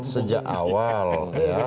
sejak awal ketika pak bg